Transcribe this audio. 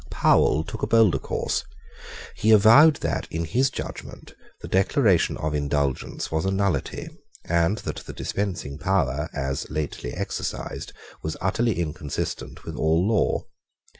Powell took a bolder course. He avowed that, in his judgment, the Declaration of Indulgence was a nullity, and that the dispensing power, as lately exercised, was utterly inconsistent with all law.